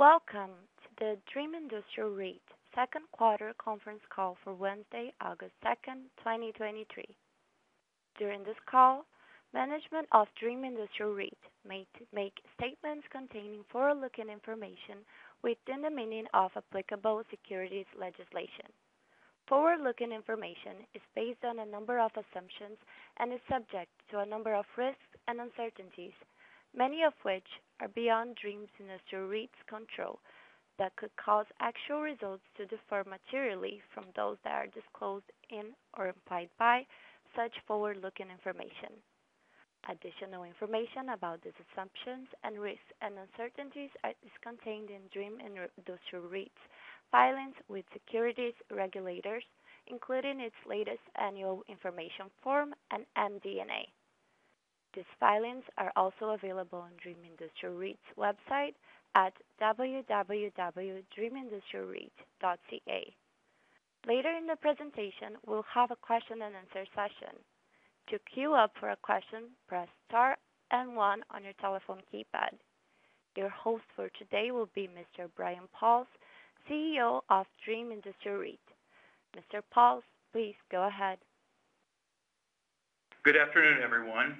Welcome to the Dream Industrial REIT second quarter conference call for Wednesday, August 2nd, 2023. During this call, management of Dream Industrial REIT may make statements containing forward-looking information within the meaning of applicable securities legislation. Forward-looking information is based on a number of assumptions and is subject to a number of risks and uncertainties, many of which are beyond Dream Industrial REIT's control, that could cause actual results to defer materially from those that are disclosed in or implied by such forward-looking information. Additional information about these assumptions and risks and uncertainties is contained in Dream Industrial REIT's filings with securities regulators, including its latest annual information form and MD&A. These filings are also available on Dream Industrial REIT's website at www.dreamindustrialreit.ca. Later in the presentation, we'll have a Q&A session. To queue up for a question, press Star and One on your telephone keypad. Your host for today will be Mr. Brian Pauls, CEO of Dream Industrial REIT. Mr. Pauls, please go ahead. Good afternoon, everyone.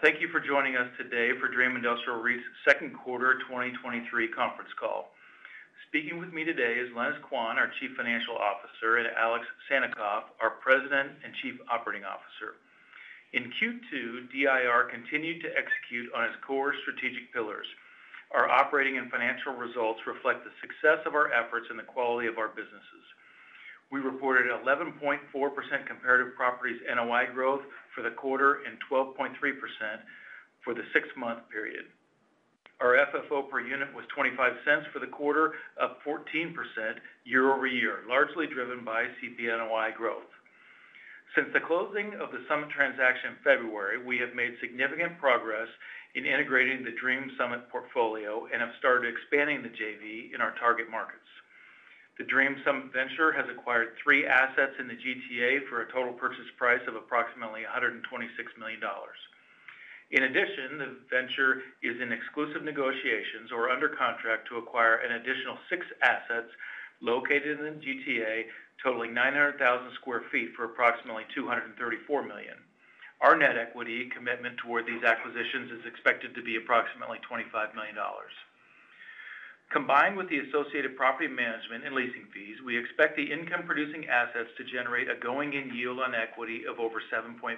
Thank you for joining us today for Dream Industrial REIT's second quarter 2023 conference call. Speaking with me today is Lenis Kwan, our Chief Financial Officer, and Alex Sannikov, our President and Chief Operating Officer. In Q2, DIR continued to execute on its core strategic pillars. Our operating and financial results reflect the success of our efforts and the quality of our businesses. We reported 11.4% comparative properties NOI growth for the quarter, and 12.3% for the six-month period. Our FFO per unit was 0.25 for the quarter of 14% year-over-year, largely driven by CP NOI growth. Since the closing of the Summit transaction in February, we have made significant progress in integrating the Dream Summit portfolio and have started expanding the JV in our target markets. The Dream Summit venture has acquired three assets in the GTA for a total purchase price of approximately 126 million dollars. In addition, the venture is in exclusive negotiations or under contract to acquire an additional six assets located in the GTA, totaling 900,000 sq ft for approximatelyCAD 234 million. Our net equity commitment toward these acquisitions is expected to be approximately 25 million dollars. Combined with the associated property management and leasing fees, we expect the income-producing assets to generate a going-in yield on equity of over 7.5%.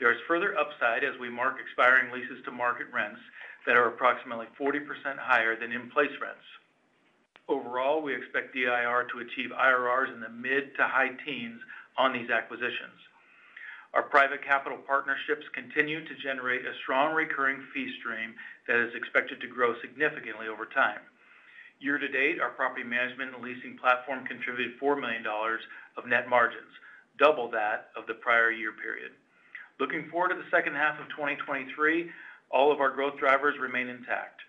There is further upside as we mark expiring leases to market rents that are approximately 40% higher than in-place rents. Overall, we expect DIR to achieve IRRs in the mid to high teens on these acquisitions. Our private capital partnerships continue to generate a strong recurring fee stream that is expected to grow significantly over time. Year to date, our property management and leasing platform contributed 4 million dollars of net margins, double that of the prior year period. Looking forward to the second half of 2023, all of our growth drivers remain intact.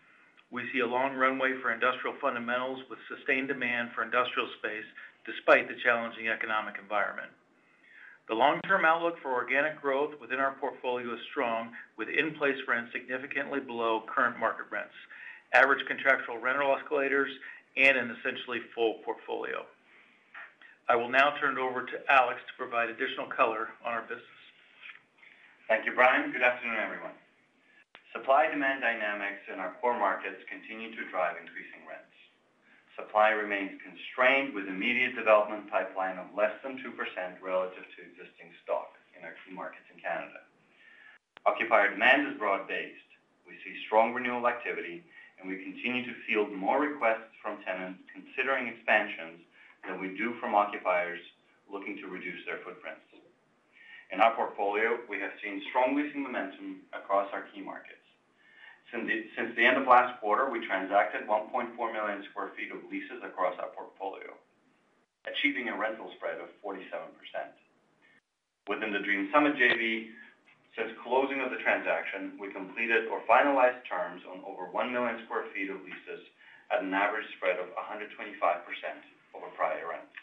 We see a long runway for industrial fundamentals with sustained demand for industrial space, despite the challenging economic environment. The long-term outlook for organic growth within our portfolio is strong, with in-place rents significantly below current market rents, average contractual rental escalators, and an essentially full portfolio. I will now turn it over to Alex to provide additional color on our business. Thank you, Brian. Good afternoon, everyone. Supply-demand dynamics in our core markets continue to drive increasing rents. Supply remains constrained, with immediate development pipeline of less than 2% relative to existing stock in our key markets in Canada. Occupier demand is broad-based. We see strong renewal activity, and we continue to field more requests from tenants considering expansions than we do from occupiers looking to reduce their footprints. In our portfolio, we have seen strong leasing momentum across our key markets. Since the end of last quarter, we transacted 1.4 million sq ft of leases across our portfolio, achieving a rental spread of 47%. Within the Dream Summit JV, since closing of the transaction, we completed or finalized terms on over 1 million sq ft of leases at an average spread of 125% over prior rents.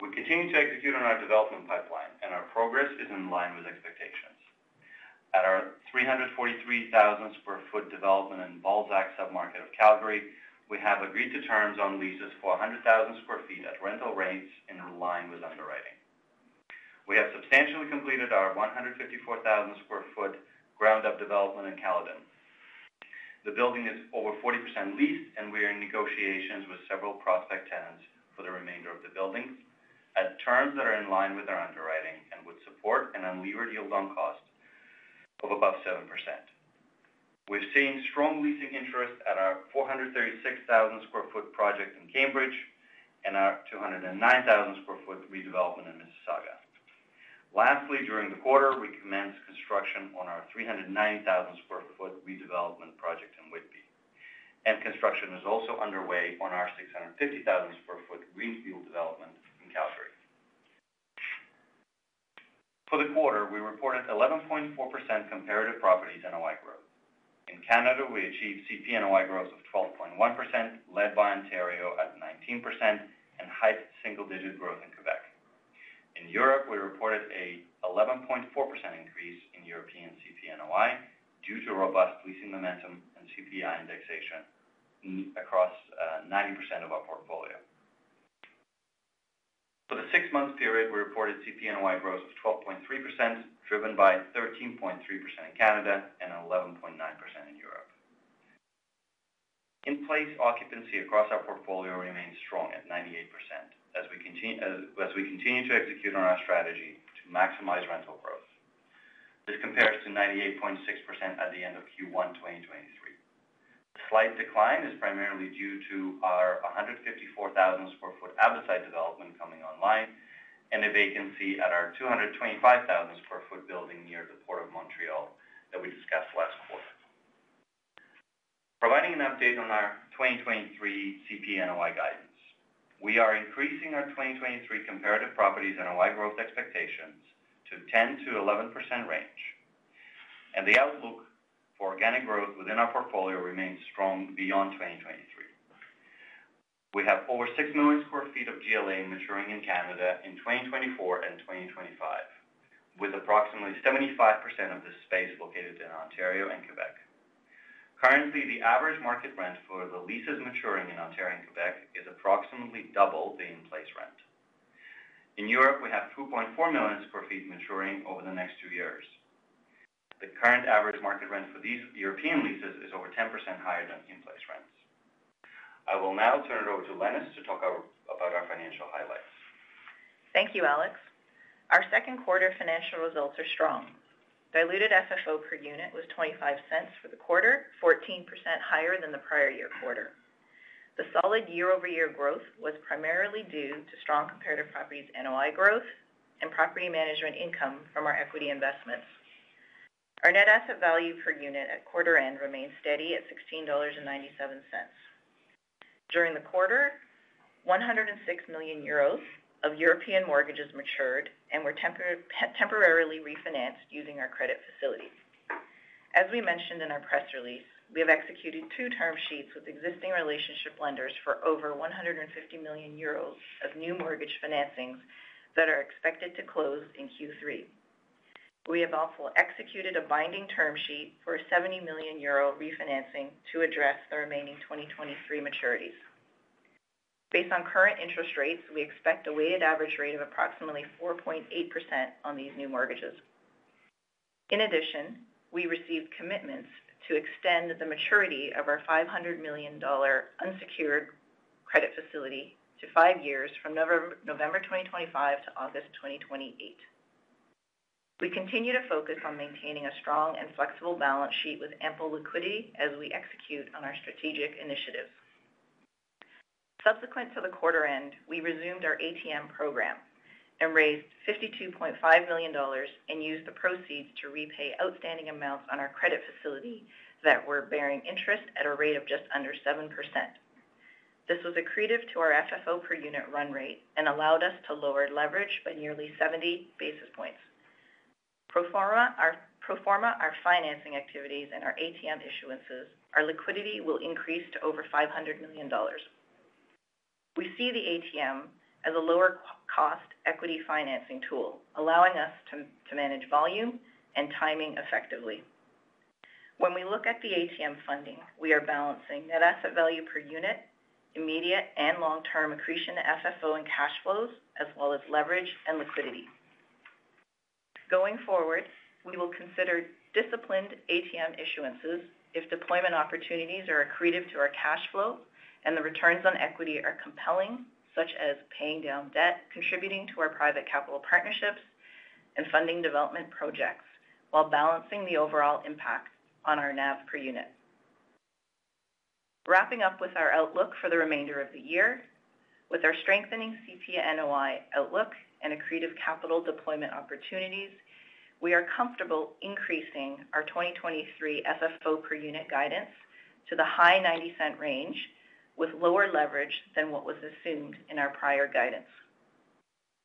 We continue to execute on our development pipeline. Our progress is in line with expectations. At our 343,000 sq ft development in Balzac submarket of Calgary, we have agreed to terms on leases for 100,000 sq ft at rental rates in line with underwriting. We have substantially completed our 154,000 sq ft ground-up development in Caledon. The building is over 40% leased, and we are in negotiations with several prospect tenants for the remainder of the building at terms that are in line with our underwriting and would support an unlevered yield on cost of above 7%. We've seen strong leasing interest at our 436,000 sq ft project in Cambridge and our 209,000 sq ft redevelopment in Mississauga. Lastly, during the quarter, we commenced construction on our 390,000 sq ft redevelopment project in Whitby, and construction is also underway on our 650,000 sq ft greenfield development in Calgary. For the quarter, we reported 11.4% comparative properties NOI growth. In Canada, we achieved CP NOI growth of 12.1%, led by Ontario at 19% and high single-digit growth in Quebec. In Europe, we reported a 11.4% increase in European CP NOI due to robust leasing momentum and CPI indexation across 90% of our portfolio. For the six-month period, we reported CP NOI growth of 12.3%, driven by 13.3% in Canada and 11.9% in Europe. In-place occupancy across our portfolio remains strong at 98% as we continue to execute on our strategy to maximize rental growth. This compares to 98.6% at the end of Q1 2023. The slight decline is primarily due to our 154,000 sq ft Abbotside development coming online and a vacancy at our 225,000 sq ft building near the Port of Montreal that we discussed last quarter. Providing an update on our 2023 CP NOI guidance, we are increasing our 2023 comparative properties NOI growth expectations to 10%-11% range, and the outlook for organic growth within our portfolio remains strong beyond 2023. We have over 6 million sq ft of GLA maturing in Canada in 2024 and 2025, with approximately 75% of this space located in Ontario and Quebec. Currently, the average market rent for the leases maturing in Ontario and Quebec is approximately double the in-place rent. In Europe, we have 2.4 million sq ft maturing over the next two years. The current average market rent for these European leases is over 10% higher than in-place rents. I will now turn it over to Lenis to talk about our financial highlights. Thank you, Alex. Our second quarter financial results are strong. Diluted FFO per unit was 0.25 for the quarter, 14% higher than the prior-year quarter. The solid year-over-year growth was primarily due to strong comparative properties NOI growth and property management income from our equity investments. Our net asset value per unit at quarter end remains steady at 16.97 dollars. During the quarter, 106 million euros of European mortgages matured and were temporarily refinanced using our credit facilities. As we mentioned in our press release, we have executed two term sheets with existing relationship lenders for over 150 million euros of new mortgage financings that are expected to close in Q3. We have also executed a binding term sheet for a 70 million euro refinancing to address the remaining 2023 maturities. Based on current interest rates, we expect a weighted average rate of approximately 4.8% on these new mortgages. In addition, we received commitments to extend the maturity of our 500 million dollar unsecured credit facility to five years from November 2025 to August 2028. We continue to focus on maintaining a strong and flexible balance sheet with ample liquidity as we execute on our strategic initiatives. Subsequent to the quarter end, we resumed our ATM program and raised 52.5 million dollars and used the proceeds to repay outstanding amounts on our credit facility that were bearing interest at a rate of just under 7%. This was accretive to our FFO per unit run rate and allowed us to lower leverage by nearly 70 basis points. Pro forma, pro forma, our financing activities and our ATM issuances, our liquidity will increase to over 500 million dollars. We see the ATM as a lower cost, equity financing tool, allowing us to manage volume and timing effectively. When we look at the ATM funding, we are balancing net asset value per unit, immediate and long-term accretion to FFO and cash flows, as well as leverage and liquidity. Going forward, we will consider disciplined ATM issuances if deployment opportunities are accretive to our cash flow and the returns on equity are compelling, such as paying down debt, contributing to our private capital partnerships, and funding development projects, while balancing the overall impact on our NAV per unit. Wrapping up with our outlook for the remainder of the year, with our strengthening CP NOI outlook and accretive capital deployment opportunities, we are comfortable increasing our 2023 FFO per unit guidance to the high 0.90 range, with lower leverage than what was assumed in our prior guidance.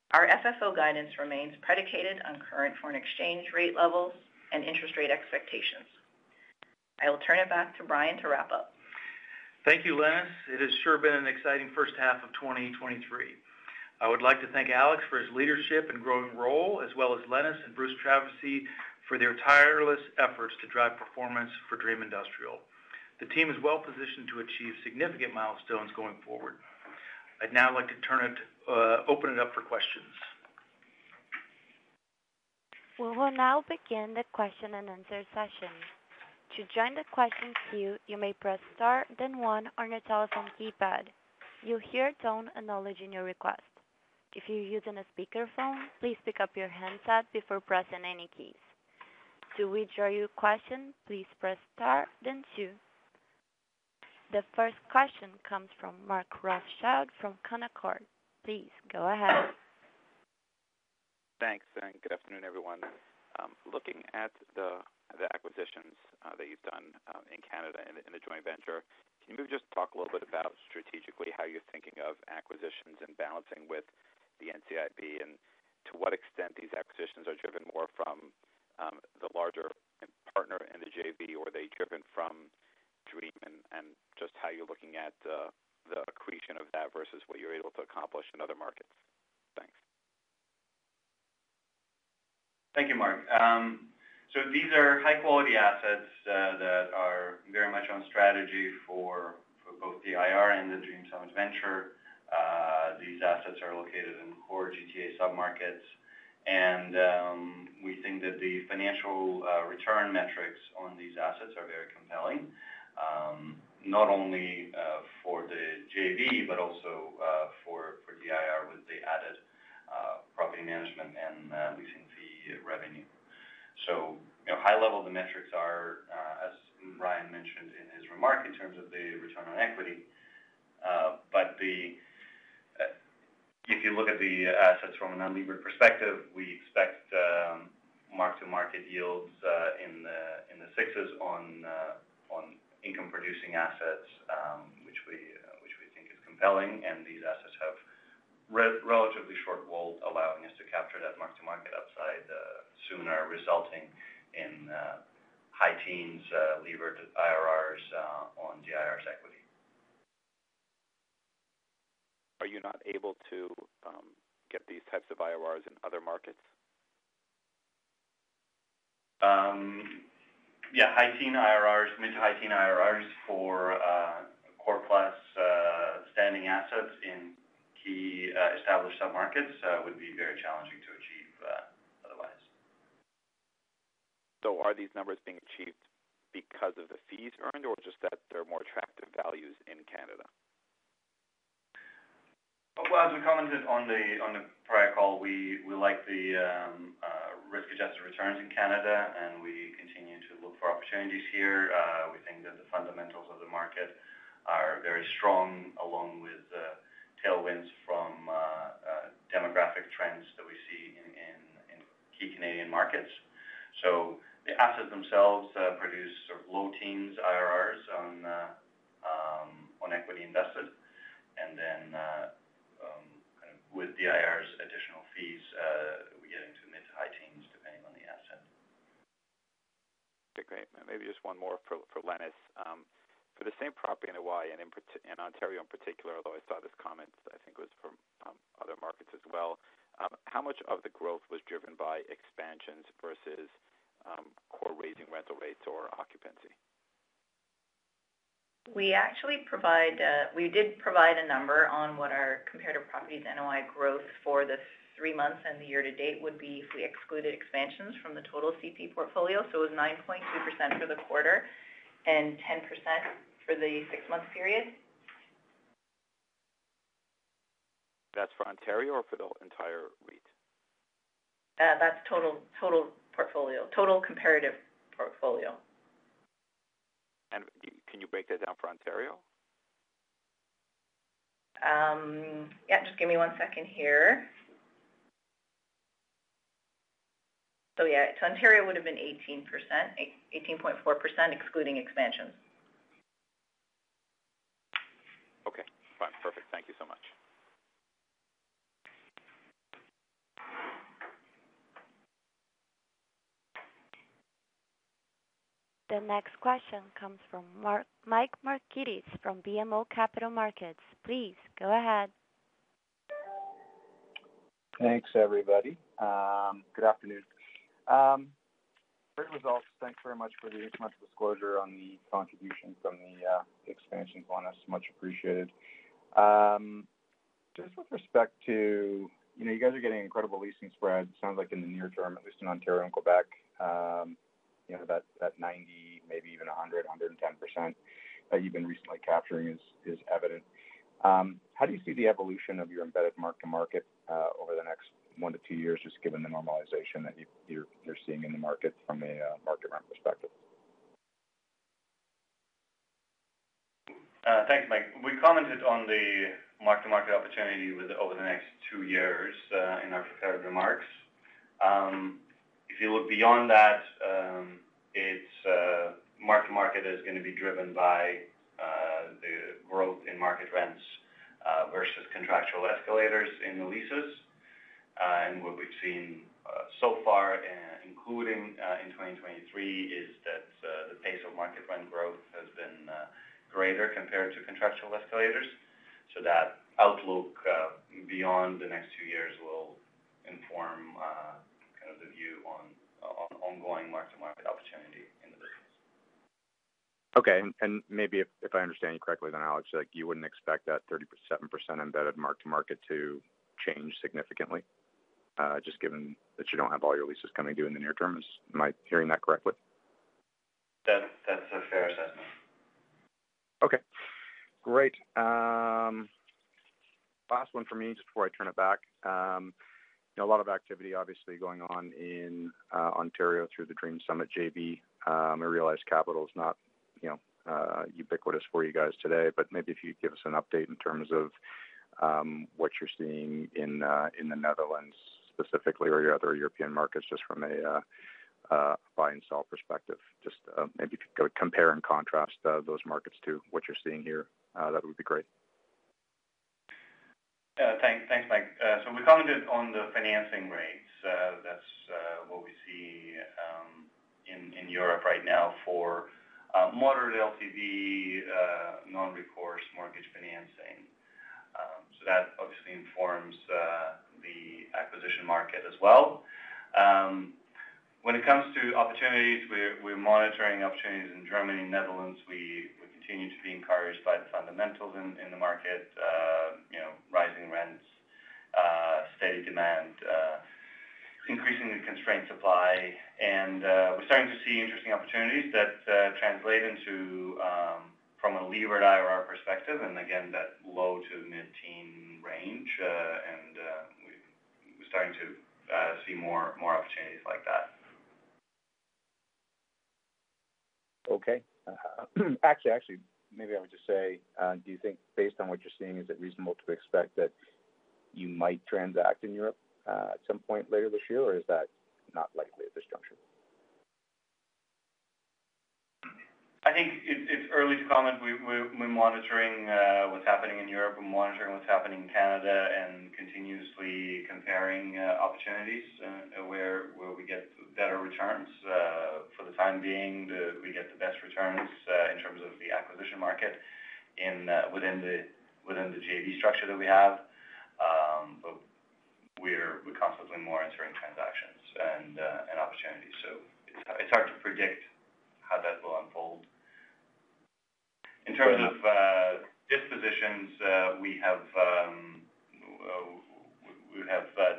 Our FFO guidance remains predicated on current foreign exchange rate levels and interest rate expectations. I will turn it back to Brian to wrap up. Thank you, Lenis. It has sure been an exciting first half of 2023. I would like to thank Alex for his leadership and growing role, as well as Lenis and Bruce Traversy for their tireless efforts to drive performance for Dream Industrial. The team is well positioned to achieve significant milestones going forward. I'd now like to turn it open it up for questions. We will now begin the Q&A session. To join the question queue, you may press star, then one on your telephone keypad. You'll hear a tone acknowledging your request. If you're using a speakerphone, please pick up your handset before pressing any keys. To withdraw your question, please press star, then two. The first question comes from Mark Rothschild from Canaccord. Please go ahead. Thanks, and good afternoon, everyone. Looking at the acquisitions that you've done in Canada in the joint venture, can you just talk a little bit about strategically, how you're thinking of acquisitions and balancing with the NCIB, and to what extent these acquisitions are driven more from the larger impact? JV, or are they driven from Dream? Just how you're looking at the accretion of that versus what you're able to accomplish in other markets? Thanks. Thank you, Mark. These are high-quality assets that are very much on strategy for both the DIR and the Dream Summit Venture. These assets are located in core GTA submarkets, and we think that the financial return metrics on these assets are very compelling, not only for the JV, but also for DIR, with the added property management and leasing fee revenue. You know, high level, the metrics are as Ryan mentioned in his remarks, in terms of the return on equity. But the, if you look at the assets from an unlevered perspective, we expect mark-to-market yields in the in the sixes on income-producing assets, which we, which we think is compelling. These assets have relatively short walls, allowing us to capture that mark-to-market upside sooner, resulting in high teens levered IRRs on DIR's equity. Are you not able to, get these types of IRRs in other markets? Yeah, high-teen IRRs, mid to high-teen IRRs for core plus standing assets in key established submarkets would be very challenging to achieve otherwise. Are these numbers being achieved because of the fees earned, or just that they're more attractive values in Canada? Well, as we commented on the prior call, we, we like the risk-adjusted returns in Canada, and we continue to look for opportunities here. We think that the fundamentals of the market are very strong, along with tailwinds from demographic trends that we see in key Canadian markets. The assets themselves produce sort of low teens IRRs on on equity invested. Then kind of with the IR's additional fees, we get into mid to high teens, depending on the asset. Okay. Maybe just one more for, for Lenis. For the same property in NOI and in Ontario in particular, although I saw this comment, I think was from, other markets as well. How much of the growth was driven by expansions versus, core raising rental rates or occupancy? We actually provide, we did provide a number on what our comparative properties NOI growth for this three months and the year to date would be if we excluded expansions from the total CP portfolio. It was 9.2% for the quarter, and 10% for the six-month period. That's for Ontario or for the entire REIT? That's total, total portfolio, total comparative portfolio. Can you break that down for Ontario? Yeah, just give me one second here. Yeah, so Ontario would have been 18%, 18.4%, excluding expansions. Okay, fine. Perfect. Thank you so much. The next question comes from Mike Markidis from BMO Capital Markets. Please go ahead. Thanks, everybody. Good afternoon. Great results. Thanks very much for the much disclosure on the contribution from the expansions on us. Much appreciated. Just with respect to, you know, you guys are getting incredible leasing spreads. Sounds like in the near term, at least in Ontario and Quebec, you know, that 90, maybe even 100, 110% that you've been recently capturing is evident. How do you see the evolution of your embedded mark-to-market over the next one-two years, just given the normalization that you, you're, you're seeing in the market from a market rent perspective? Thanks, Mike. We commented on the mark-to-market opportunity with over the next two years in our prepared remarks. If you look beyond that, it's mark-to-market is going to be driven by the growth in market rents versus contractual escalators in the leases. What we've seen so far, including in 2023, is that the pace of market rent growth has been greater compared to contractual escalators. That outlook beyond the next two years will inform kind of the view on, on ongoing mark-to-market opportunity in the business. Okay. Maybe if, if I understand you correctly then, Alex, like, you wouldn't expect that 30%, 7% embedded mark-to-market to change significantly, just given that you don't have all your leases coming due in the near term. Am I hearing that correctly? That, that's a fair assessment. Okay, great. Last one for me just before I turn it back. You know, a lot of activity obviously going on in Ontario through the Dream Summit JV. I realize capital is not, you know, ubiquitous for you guys today, but maybe if you could give us an update in terms of what you're seeing in the Netherlands specifically or your other European markets, just from a buy and sell perspective. Just maybe compare and contrast those markets to what you're seeing here, that would be great. Thanks, thanks, Mike. We commented on the financing rates. That's what we see in Europe right now for moderate LTV non-recourse mortgage financing. That obviously informs the acquisition market as well. When it comes to opportunities, we're monitoring opportunities in Germany, Netherlands. We continue to be encouraged by the fundamentals in the market. You know, rising rents, steady demand, increasingly constrained supply, and we're starting to see interesting opportunities that translate into from a levered IRR perspective, and again, that low to mid-teen range. And we're starting to see more, more opportunities like that. Okay. Actually, actually, maybe I would just say, do you think, based on what you're seeing, is it reasonable to expect that you might transact in Europe, at some point later this year, or is that not likely at this juncture? I think it's, it's early to comment. We're monitoring what's happening in Europe. We're monitoring what's happening in Canada and continuously comparing opportunities where we get better returns. For the time being, we get the best returns in terms of the acquisition market within the JV structure that we have. We're constantly monitoring transactions and opportunities. It's hard to predict how that will unfold. In terms of dispositions, we have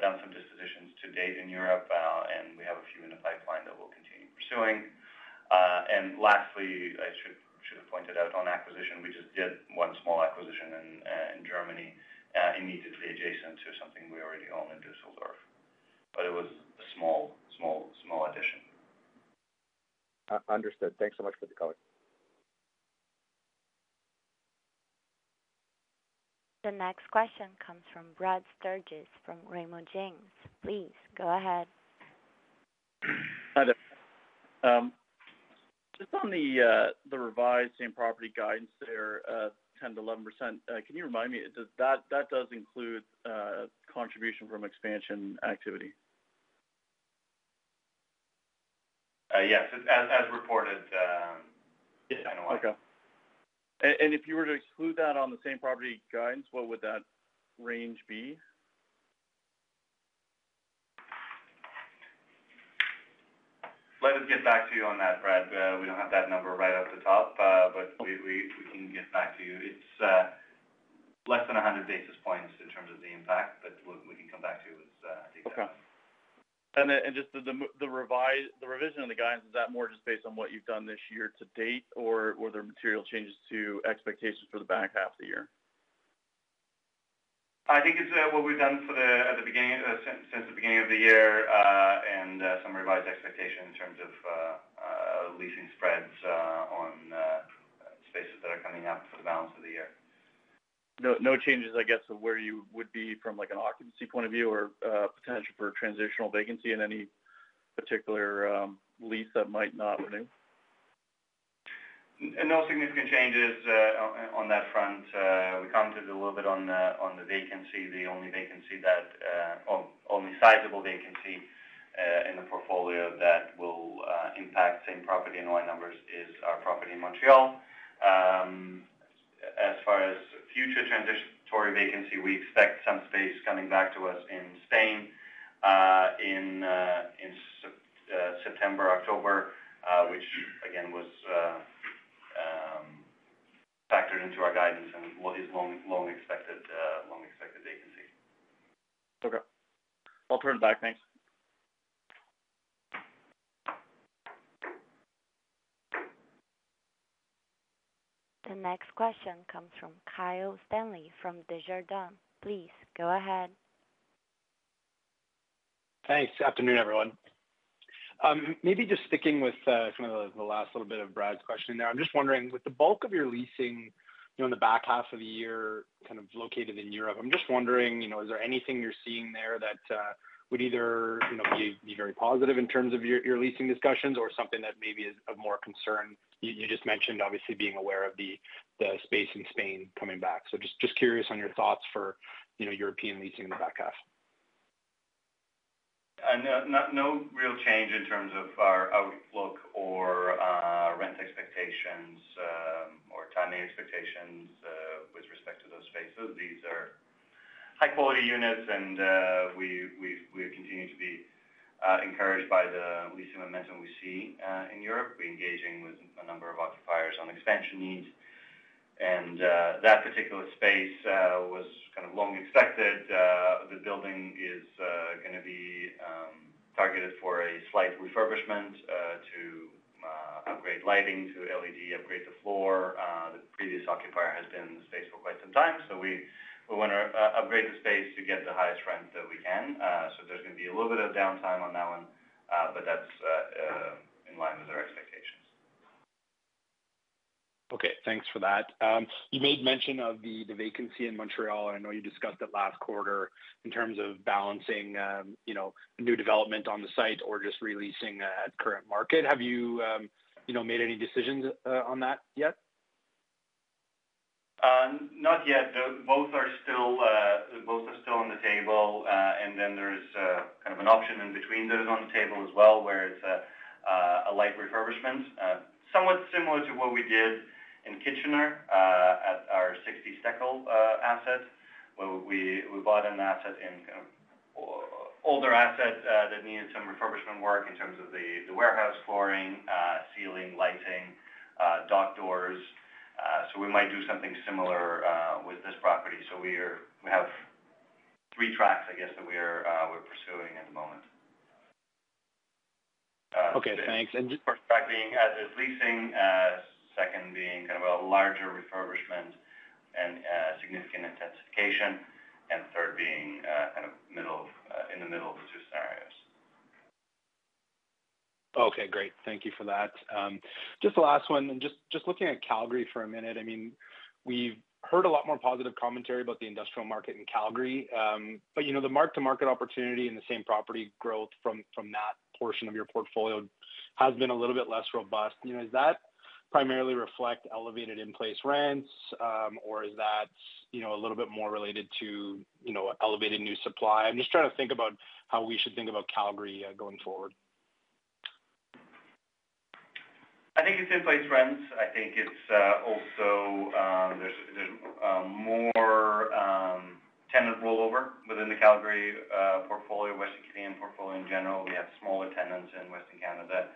done some dispositions to date in Europe, and we have a few in the pipeline that we'll continue pursuing. Lastly, I should, should have pointed out on acquisition, we just did one small acquisition in, in Germany, immediately adjacent to something we already own in Dusseldorf, but it was a small, small, small addition. Understood. Thanks so much for the color. The next question comes from Brad Sturges, from Raymond James. Please, go ahead. Hi there. Just on the revised same-property guidance there, 10%-11%, can you remind me, that does include contribution from expansion activity? Yes, as, as reported, yeah. Okay. If you were to exclude that on the same property guidance, what would that range be? Let us get back to you on that, Brad. We don't have that number right off the top, but we, we, we can get back to you. It's less than 100 basis points in terms of the impact, but we, we can come back to you with the details. Okay. Just the revision of the guidance, is that more just based on what you've done this year to date, or, were there material changes to expectations for the back half of the year? I think it's, what we've done for the, at the beginning, since, since the beginning of the year, and, some revised expectations in terms of, leasing spreads, on, spaces that are coming up for the balance of the year. No, no changes, I guess, to where you would be from, like, an occupancy point of view or, potential for transitional vacancy in any particular, lease that might not renew? No significant changes on that front. We commented a little bit on the vacancy. The only vacancy that or only sizable vacancy in the portfolio that will impact same property and NOI numbers is our property in Montreal. As far as future transitory vacancy, we expect some space coming back to us in Spain in September, October, which again, was factored into our guidance and what is long, long expected, long-expected vacancy. Okay. I'll turn it back. Thanks. The next question comes from Kyle Stanley, from Desjardins. Please go ahead. Thanks. Afternoon, everyone. Maybe just sticking with kind of the last little bit of Brad's question there. I'm just wondering, with the bulk of your leasing, you know, in the back half of the year, kind of located in Europe, I'm just wondering, you know, is there anything you're seeing there that would either, you know, be very positive in terms of your leasing discussions or something that maybe is of more concern? You, you just mentioned, obviously, being aware of the space in Spain coming back. Just, just curious on your thoughts for, you know, European leasing in the back half. No real change in terms of our outlook or rent expectations or timing expectations with respect to those spaces. These are high-quality units, and we've, we're continuing to be encouraged by the leasing momentum we see in Europe. We're engaging with a number of occupiers on expansion needs, and that particular space was kind of long expected. The building is gonna be targeted for a slight refurbishment to upgrade lighting to LED, upgrade the floor. The previous occupier has been in the space for quite some time, so we want to upgrade the space to get the highest rent that we can. So there's gonna be a little bit of downtime on that one, but that's in line with our expectations. Okay, thanks for that. You made mention of the, the vacancy in Montreal, and I know you discussed it last quarter in terms of balancing, you know, new development on the site or just re-leasing at current market. Have you, you know, made any decisions on that yet? Not yet. Both are still, both are still on the table, and then there's kind of an option in between those on the table as well, where it's a light refurbishment. Somewhat similar to what we did in Kitchener, at our 60 Steckle asset, where we, we bought an asset in, older asset, that needed some refurbishment work in terms of the, the warehouse flooring, ceiling, lighting, dock doors. We might do something similar with this property. We are, we have three tracks, I guess, that we are, we're pursuing at the moment. Okay, thanks. Just- First track being as is leasing, second being kind of a larger refurbishment and significant intensification, and third being kind of middle in the middle of the two scenarios. Okay, great. Thank you for that. Just the last one, just, just looking at Calgary for a minute. I mean, we've heard a lot more positive commentary about the industrial market in Calgary, you know, the mark-to-market opportunity and the same property growth from, from that portion of your portfolio has been a little bit less robust. You know, does that primarily reflect elevated in-place rents, or is that, you know, a little bit more related to, you know, elevated new supply? I'm just trying to think about how we should think about Calgary going forward. I think it's in-place rents. I think it's also, there's, there's more tenant rollover within the Calgary portfolio, Western Canadian portfolio in general. We have smaller tenants in Western Canada,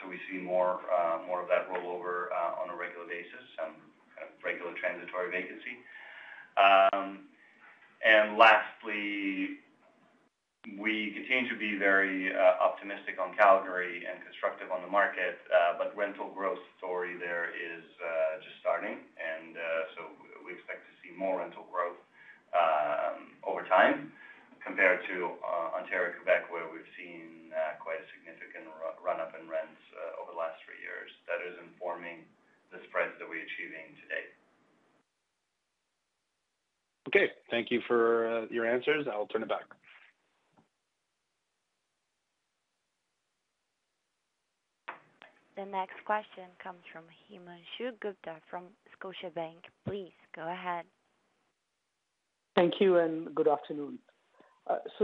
so we see more, more of that rollover on a regular basis, kind of regular transitory vacancy. Lastly, we continue to be very optimistic on Calgary and constructive on the market, but rental growth story there is just starting. So we expect to see more rental growth over time compared to Ontario, Quebec, where we've seen quite a significant run-up in rents over the last three years. That is informing the spreads that we're achieving today. Okay. Thank you for your answers. I'll turn it back. The next question comes from Himanshu Gupta from Scotiabank. Please go ahead. Thank you, good afternoon.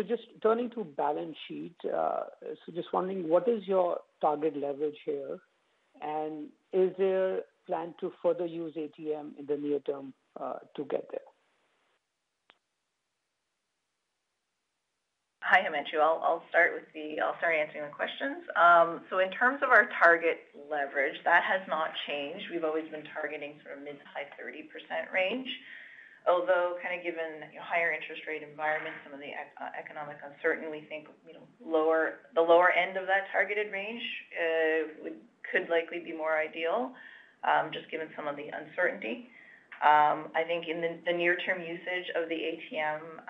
Just turning to balance sheet, just wondering, what is your target leverage here? Is there a plan to further use ATM in the near term, to get there? Hi, Himanshu. I'll start answering the questions. In terms of our target leverage, that has not changed. We've always been targeting sort of mid to high 30% range. Although, kind of given, you know, higher interest rate environment, some of the economic uncertainty, we think, you know, the lower end of that targeted range could likely be more ideal, just given some of the uncertainty. I think in the, the near-term usage of the ATM,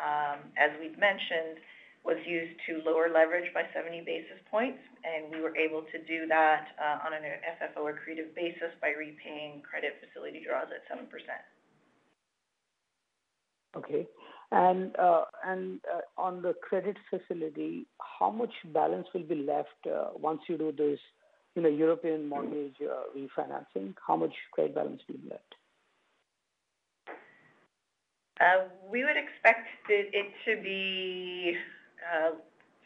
as we've mentioned, was used to lower leverage by 70 basis points, and we were able to do that on an FFO accretive basis by repaying credit facility draws at 7%. Okay. On the credit facility, how much balance will be left, once you do this, you know, European mortgage, refinancing? How much credit balance will be left? We would expect it, it to be,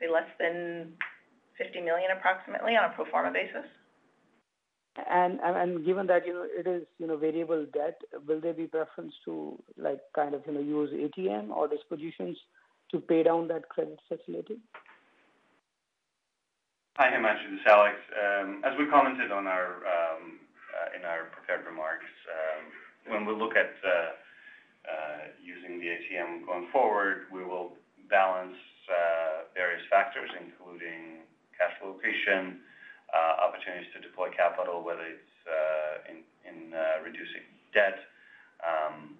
say, less than 50 million, approximately, on a pro forma basis. Given that, you know, it is, you know, variable debt, will there be preference to, like, kind of, you know, use ATM or dispositions to pay down that credit facility? Hi, Himanshu, this is Alex. As we commented on our in our prepared remarks, when we look at using the ATM going forward, we will balance various factors, including cash location, opportunities to deploy capital, whether it's in reducing debt,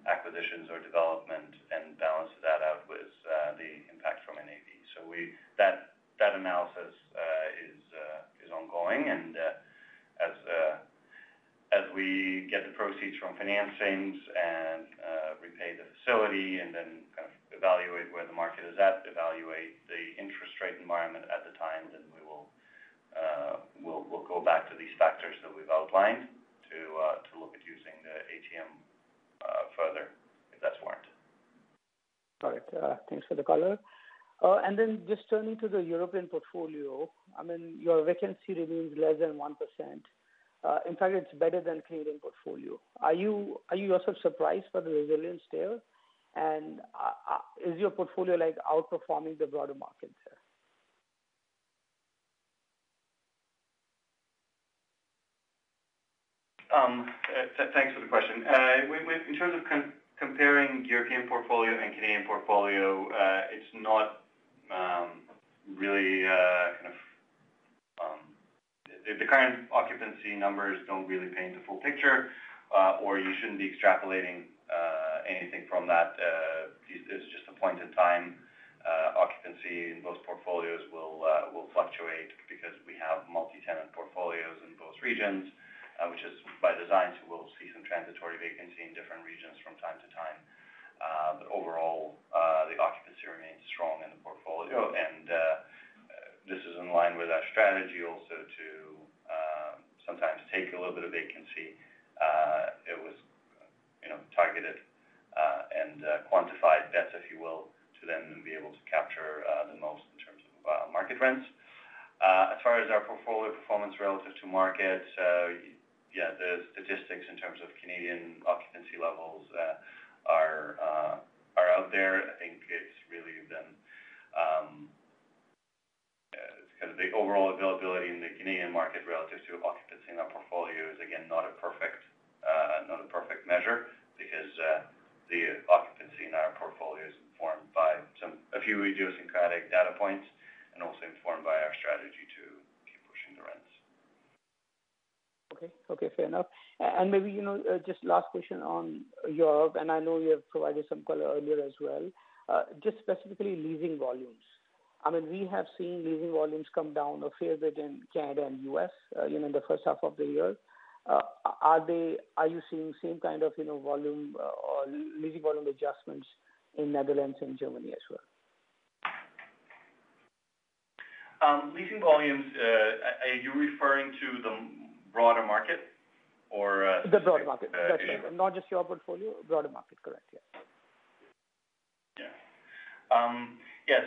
acquisitions or development, and balance that out with the impact from an NAV. That, that analysis is ongoing, and as we get the proceeds from financings and repay the facility and then kind of evaluate where the market is at, evaluate the interest rate environment at the time, then we will we'll go back to these factors that we've outlined to look at using the ATM further, if that's warrant. All right. Thanks for the color. Then just turning to the European portfolio, I mean, your vacancy remains less than 1%. In fact, it's better than Canadian portfolio. Are you, are you also surprised by the resilience there? Is your portfolio, like, outperforming the broader markets there? Thanks for the question. We in terms of comparing European portfolio and Canadian portfolio, it's not really kind of... The current occupancy numbers don't really paint the full picture, or you shouldn't be extrapolating anything from that. This is just a point in time, occupancy in both portfolios will fluctuate because we have multi-tenant portfolios in both regions, which is by design. We'll see some transitory vacancy in different regions from time to time. But overall, the occupancy remains strong in the portfolio, and in line with our strategy also to sometimes take a little bit of vacancy. It was, you know, targeted, and quantified debts, if you will, to then be able to capture the most in terms of market rents. As far as our portfolio performance relative to markets, yeah, the statistics in terms of Canadian occupancy levels are out there. I think it's really been because the overall availability in the Canadian market relatives to occupancy in our portfolio is, again, not a perfect, not a perfect measure because the occupancy in our portfolio is informed by a few idiosyncratic data points, and also informed by our strategy to keep pushing the rents. Okay. Okay, fair enough. Maybe, you know, just last question on Europe, and I know you have provided some color earlier as well. Just specifically, leasing volumes. I mean, we have seen leasing volumes come down a fair bit in Canada and U.S., you know, in the first half of the year. Are you seeing same kind of, you know, volume, or leasing volume adjustments in Netherlands and Germany as well? Leasing volumes, are you referring to the broader market or, - The broad market. Okay. Not just your portfolio, broader market, correct. Yes. Yeah. Yeah,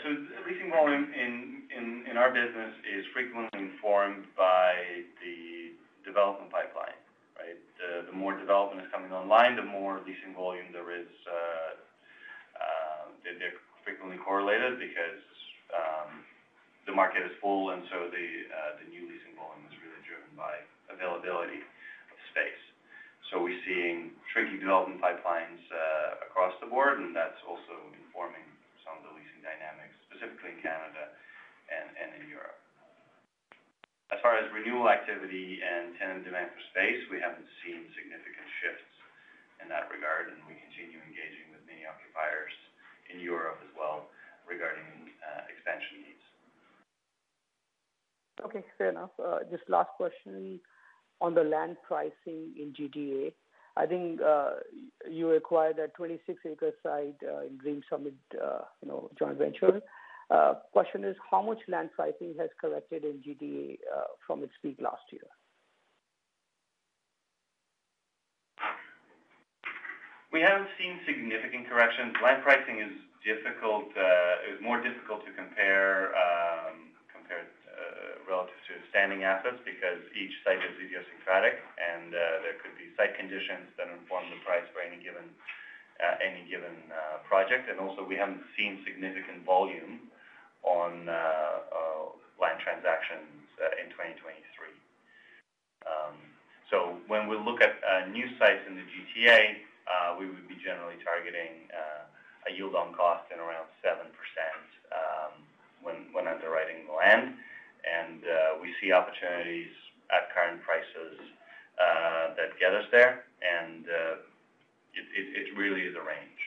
leasing volume in, in, in our business is frequently informed by the development pipeline, right? The, the more development is coming online, the more leasing volume there is. They're, they're frequently correlated because the market is full, and so the new leasing volume is really driven by availability of space. We're seeing tricky development pipelines across the board, and that's also informing some of the leasing dynamics, specifically in Canada and, and in Europe. As far as renewal activity and tenant demand for space, we haven't seen significant shifts in that regard, and we continue engaging with many occupiers in Europe as well regarding expansion needs. Okay, fair enough. Just last question on the land pricing in GTA. I think, you acquired a 26 acre site, in Dream Summit, you know, joint venture. Question is, how much land pricing has corrected in GTA, from its peak last year? We haven't seen significant corrections. Land pricing is difficult, is more difficult to compare, compare relative to standing assets, because each site is idiosyncratic and there could be site conditions that inform the price for any given, any given project. Also, we haven't seen significant volume on land transactions in 2023. When we look at new sites in the GTA, we would be generally targeting a yield on cost in around 7% when, when underwriting land. We see opportunities at current prices that get us there, and it, it, it really is a range.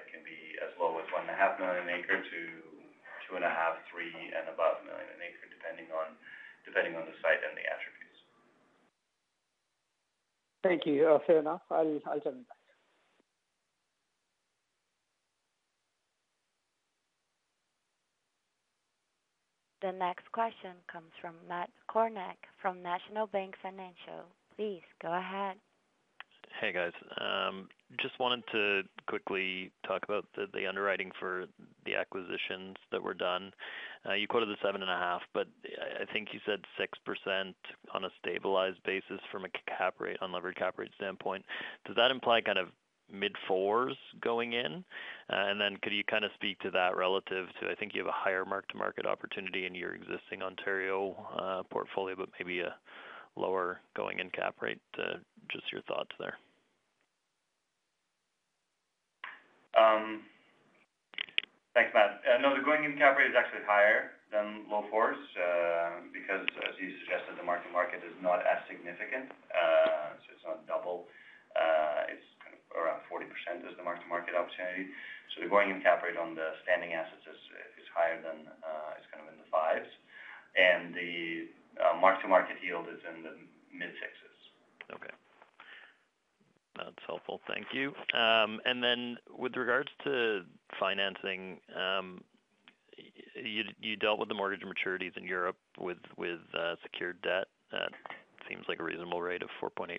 It can be as low as 1.5 million an acre to 2.5 million, 3 million, and above 1 million an acre, depending on, depending on the site and the attributes. Thank you. Fair enough. I'll turn it back. The next question comes from Matt Kornack from National Bank Financial. Please go ahead. Hey, guys. Just wanted to quickly talk about the, the underwriting for the acquisitions that were done. You quoted the 7.5, but I, I think you said 6% on a stabilized basis from a cap rate, unlevered cap rate standpoint. Does that imply kind of mid-4s going in? Could you kind of speak to that relative to, I think you have a higher mark-to-market opportunity in your existing Ontario, portfolio, but maybe a lower going-in cap rate, just your thoughts there? Thanks, Matt. No, the going-in cap rate is actually higher than low 4s, because as you suggested, the mark-to-market is not as significant. It's not double, it's kind of around 40% is the mark-to-market opportunity. The going-in cap rate on the standing assets is, is higher than, it's kind of in the 5s, and the mark-to-market yield is in the mid-6s. Okay. That's helpful. Thank you. Then with regards to financing, you, you dealt with the mortgage maturities in Europe with, with, secured debt. That seems like a reasonable rate of 4.8%,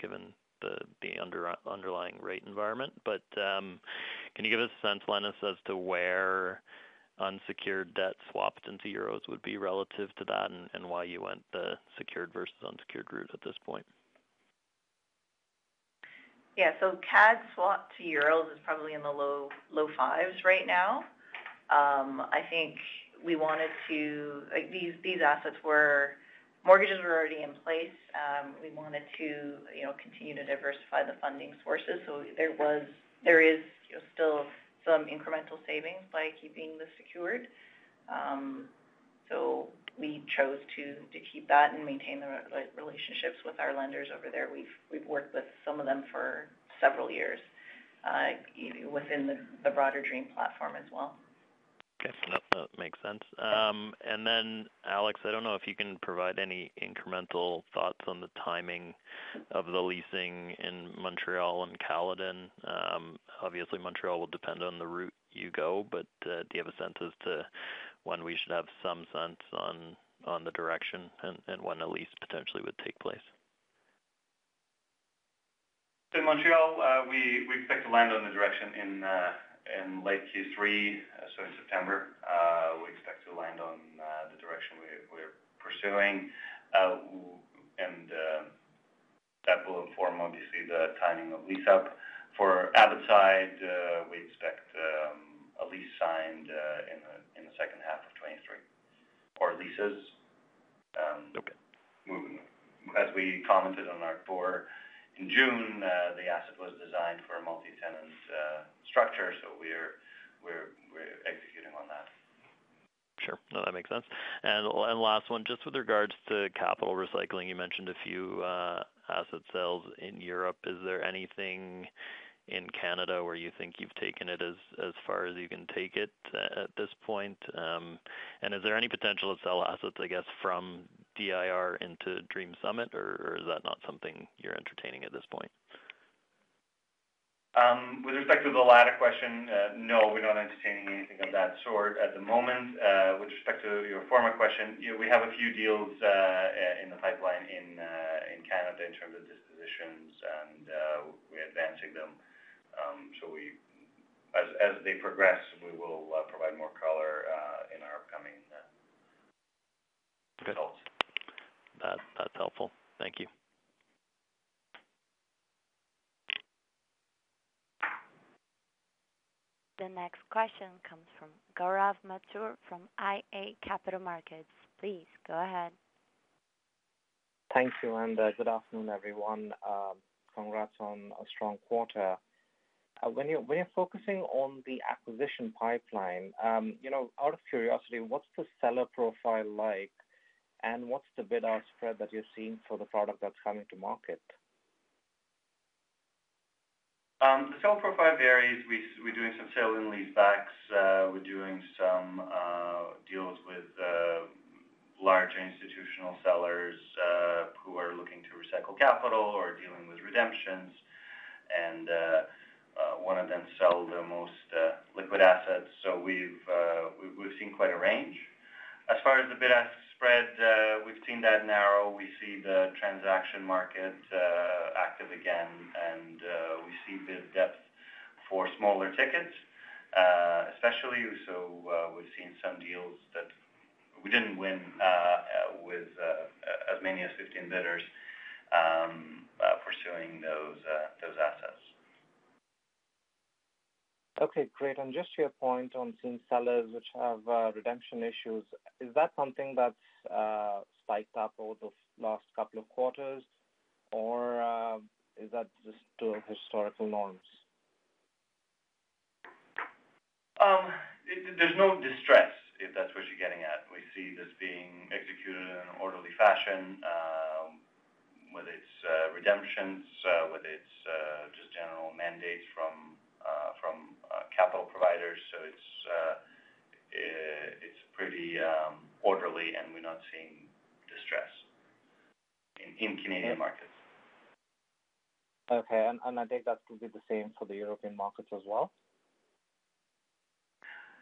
given the underlying rate environment. Can you give us a sense, Lenis, as to where unsecured debt swapped into euros would be relative to that and, and why you went the secured versus unsecured route at this point? Yeah. CAD swapped to euros is probably in the low, low 5s right now. I think we wanted to. Like, these, these assets were, mortgages were already in place. We wanted to, you know, continue to diversify the funding sources. There is still some incremental savings by keeping this secured. We chose to, to keep that and maintain the relationships with our lenders over there. We've worked with some of them for several years, within the, the broader Dream platform as well. Okay. No, that makes sense. Alex, I don't know if you can provide any incremental thoughts on the timing of the leasing in Montreal and Caledon. Obviously, Montreal will depend on the route you go, but do you have a sense as to when we should have some sense on, on the direction and, and when a lease potentially would take place?... In Montreal, we expect to land on the direction in late Q3, so in September, we expect to land on the direction we're pursuing. That will inform, obviously, the timing of lease up. For Abbotside, we expect a lease signed in the second half of 2023 or leases. Okay. Moving. As we commented on our core in June, the asset was designed for a multi-tenant, structure, so we're, we're, we're executing on that. Sure. No, that makes sense. And last one, just with regards to capital recycling, you mentioned a few asset sales in Europe. Is there anything in Canada where you think you've taken it as, as far as you can take it at, at this point? Is there any potential to sell assets, I guess, from DIR into Dream Summit, or, or is that not something you're entertaining at this point? With respect to the latter question, no, we're not entertaining anything of that sort at the moment. With respect to your former question, you know, we have a few deals in the pipeline in Canada in terms of dispositions, and we're advancing them. As, as they progress, we will provide more color in our upcoming results. That's, that's helpful. Thank you. The next question comes from Gaurav Mathur from iA Capital Markets. Please go ahead. Thank you, and good afternoon, everyone. Congrats on a strong quarter. When you're, when you're focusing on the acquisition pipeline, you know, out of curiosity, what's the seller profile like? What's the bid-ask spread that you're seeing for the product that's coming to market? The seller profile varies. We're doing some sale and leasebacks. We're doing some deals with larger institutional sellers who are looking to recycle capital or dealing with redemptions, and want to then sell their most liquid assets. We've, we've, we've seen quite a range. As far as the bid-ask spread, we've seen that narrow. We see the transaction market active again, and we see the depth for smaller tickets especially. We've seen some deals that we didn't win with as many as 15 bidders pursuing those assets. Okay, great. Just to your point on seeing sellers which have redemption issues, is that something that's spiked up over the last couple of quarters, or is that just to historical norms? There, there's no distress, if that's what you're getting at. We see this being executed in an orderly fashion, whether it's redemptions, whether it's just general mandates from, from, capital providers. It's, it's pretty orderly, and we're not seeing distress in, in Canadian markets. Okay, and I think that would be the same for the European markets as well?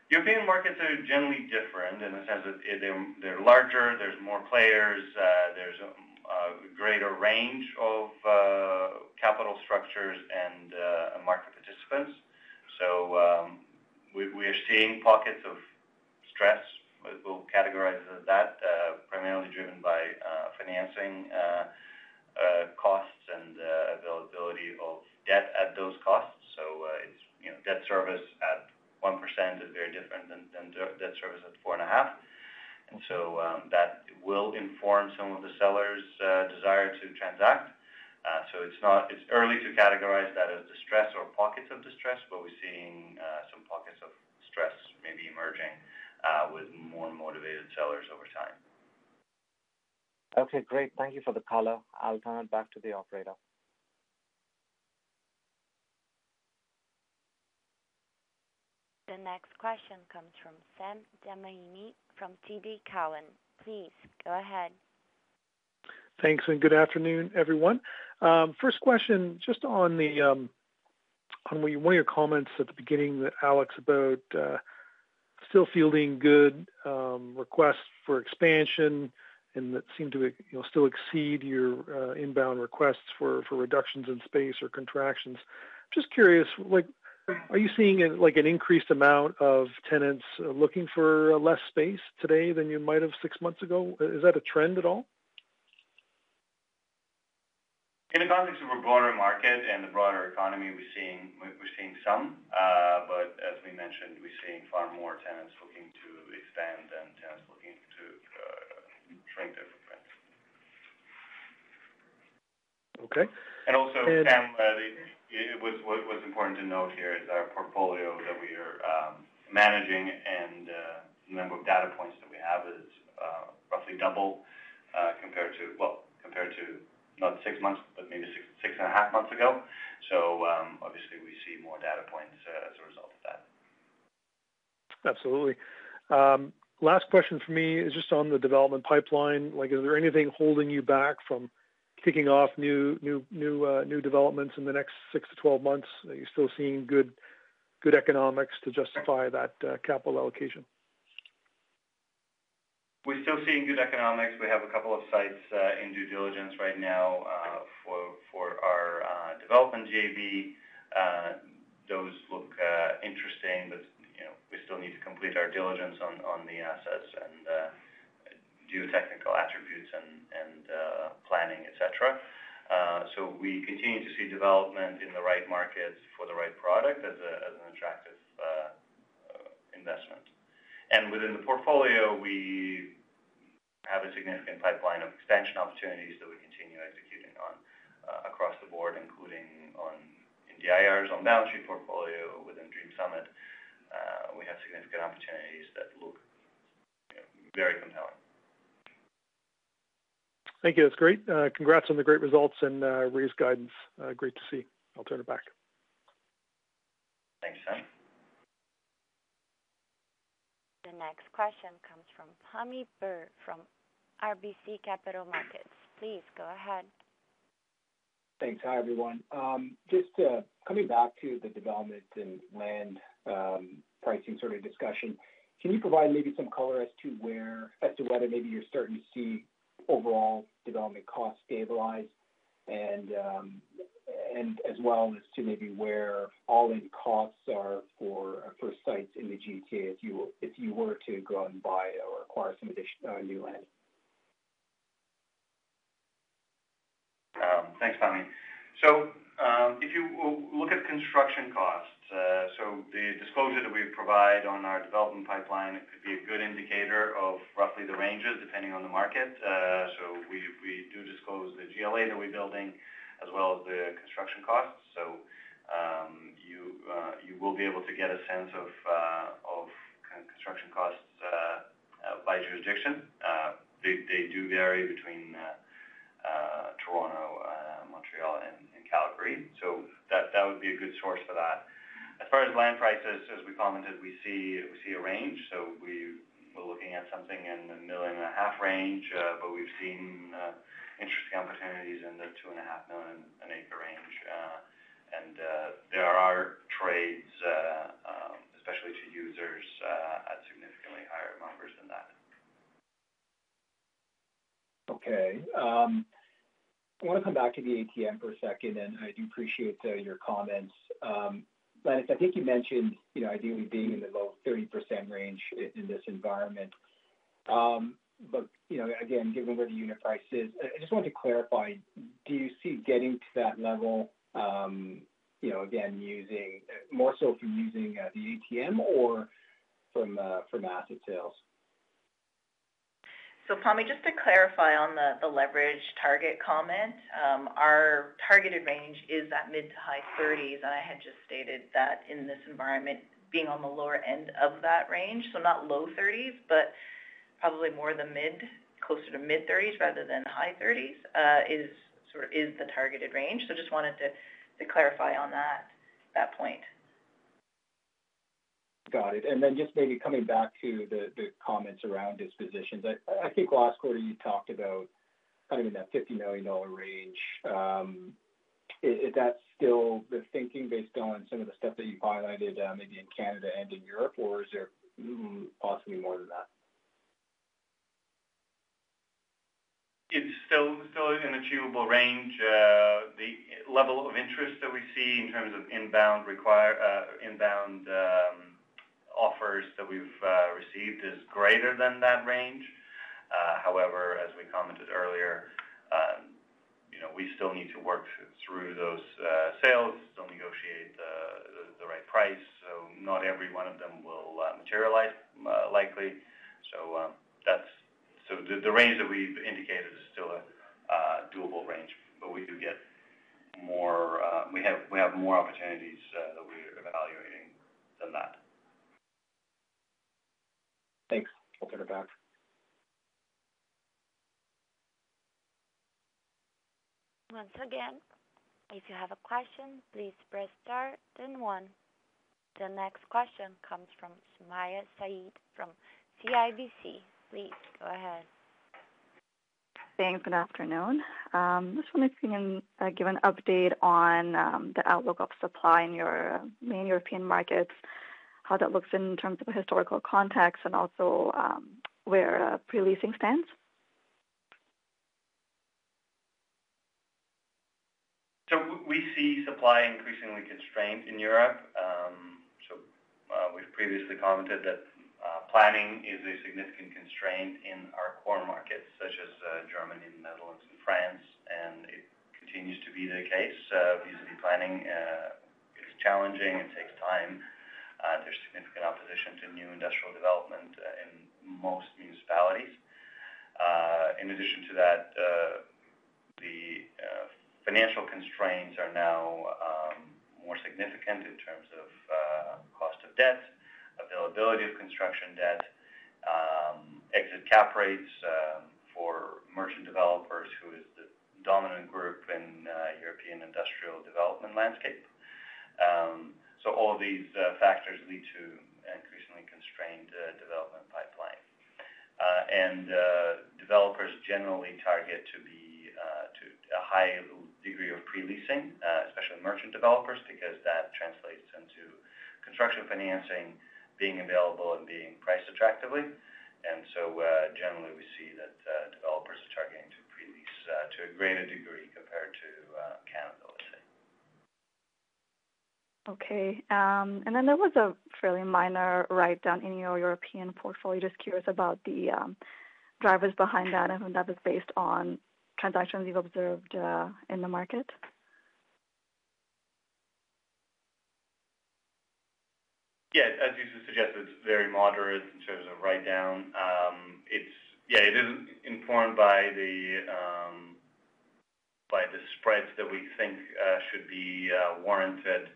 European markets are generally different in the sense that they're, they're larger, there's more players, there's a greater range of capital structures and market participants. We, we are seeing pockets of stress, we'll categorize it as that, primarily driven by financing costs and availability of debt at those costs. It's, you know, debt service at 1% is very different than debt service at 4.5%. That will inform some of the sellers' desire to transact. It's not, it's early to categorize that as distress or pockets of distress, but we're seeing some pockets of stress maybe emerging with more motivated sellers over time. Okay, great. Thank you for the color. I'll turn it back to the operator. The next question comes from Sam Damiani from TD Cowen. Please go ahead. Thanks, and good afternoon, everyone. First question, just on the, on one of your comments at the beginning, Alex, about still fielding good requests for expansion and that seem to, you know, still exceed your inbound requests for, for reductions in space or contractions. Just curious, like, are you seeing, like, an increased amount of tenants looking for less space today than you might have six months ago? Is that a trend at all? In the context of a broader market and the broader economy, we're seeing, we're seeing some. As we mentioned, we're seeing far more tenants looking to expand than tenants looking to shrink their footprints. Okay. Also, Sam, what's important to note here is our portfolio that we are managing and the number of data points that we have is roughly double compared to. Well, compared to not six months, but maybe six, 6.5 months ago. Obviously, we see more data points as a result of that. Absolutely. Last question for me is just on the development pipeline. Like, is there anything holding you back from kicking off new developments in the next six months-12 months? Are you still seeing good economics to justify that capital allocation? We're still seeing good economics. We have a couple of sites in due diligence right now for for our development JV. Those look interesting, but, you know, we still need to complete our diligence on the assets and do technical attributes and and planning, et cetera. We continue to see development in the right markets for the right product as an attractive investment. Within the portfolio, we have a significant pipeline of extension opportunities that we continue executing on across the board, including on in DIR's, on downstream portfolio. Within Dream Summit, we have significant opportunities that look, you know, very compelling. Thank you. That's great. Congrats on the great results and, raised guidance. Great to see. I'll turn it back. Thanks, Sam. The next question comes from Pammi Bir from RBC Capital Markets. Please go ahead. Thanks. Hi, everyone. Just coming back to the development and land pricing sort of discussion, can you provide maybe some color as to whether maybe you're starting to see overall development costs stabilize? And as well as to maybe where all-in costs are for sites in the GTA, if you, if you were to go out and buy or acquire some addition new land? Thanks, Pammi. If you look at construction costs, the disclosure that we provide on our development pipeline, it could be a good indicator of roughly the ranges, depending on the market. We, we do disclose the GLA that we're building, as well as the construction costs. You, you will be able to get a sense of kind of construction costs by jurisdiction. They, they do vary between Toronto, Montreal, and Calgary. That, that would be a good source for that. As far as land prices, as we commented, we see, we see a range, we're looking at something in the 1.5 million range, but we've seen interesting opportunities in the 2.5 million an acre range. There are trades, especially to users, at significantly higher numbers than that. Okay. I want to come back to the ATM for a second, and I do appreciate your comments. I think you mentioned, you know, ideally being in the low 30% range in this environment. You know, again, given where the unit price is, I just wanted to clarify, do you see getting to that level, you know, again, more so from using the ATM or from from asset sales? Pammi, just to clarify on the leverage target comment, our targeted range is at mid-to-high 30s, and I had just stated that in this environment, being on the lower end of that range, so not low 30s, but probably more the mid, closer to mid-30s rather than high 30s, is sort of the targeted range. Just wanted to clarify on that point. Got it. Just maybe coming back to the, the comments around dispositions. I, I think last quarter you talked about kind of in that 50 million dollar range. Is, is that still the thinking based on some of the stuff that you've highlighted, maybe in Canada and in Europe, or is there possibly more than that? It's still, still an achievable range. The level of interest that we see in terms of inbound require, inbound, offers that we've received is greater than that range. However, as we commented earlier, you know, we still need to work through those sales to negotiate the, the, the right price, so not every one of them will materialize likely. The range that we've indicated is still a doable range, but we do get more, we have, we have more opportunities that we're evaluating than that. Thanks. I'll turn it back. Once again, if you have a question, please press star then one. The next question comes from Sumayya Syed from CIBC. Please go ahead. Thanks. Good afternoon. Just wondering if you can give an update on the outlook of supply in your main European markets, how that looks in terms of historical context, and also, where pre-leasing stands? We see supply increasingly constrained in Europe. We've previously commented that planning is a significant constraint in our core markets, such as Germany, Netherlands, and France, and it continues to be the case. Obviously, planning is challenging and takes time. There's significant opposition to new industrial development in most municipalities. In addition to that, the financial constraints are now more significant in terms of cost of debt, availability of construction debt, exit cap rates, for merchant developers, who is the dominant group in European industrial development landscape. All of these factors lead to an increasingly constrained development pipeline. Developers generally target to be to a high degree of pre-leasing, especially merchant developers, because that translates into construction financing being available and being priced attractively. Generally, we see that developers are targeting to pre-lease to a greater degree compared to Canada, let's say. Okay. There was a fairly minor write down in your European portfolio. Just curious about the drivers behind that, and that was based on transactions you've observed in the market? Yeah, as you suggested, it's very moderate in terms of write down. Yeah, it is informed by the spreads that we think should be warranted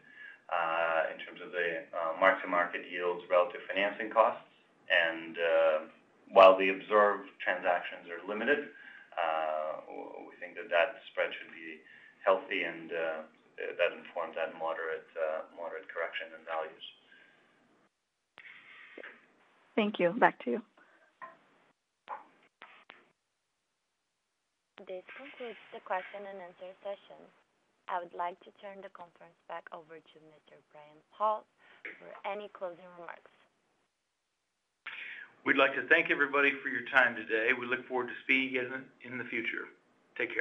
in terms of the mark-to-market yields relative to financing costs. While the observed transactions are limited, we think that that spread should be healthy, and that informs that moderate moderate correction in values. Thank you. Back to you. This concludes the Q&A session. I would like to turn the conference back over to Mr. Brian Pauls for any closing remarks. We'd like to thank everybody for your time today. We look forward to speaking in, in the future. Take care.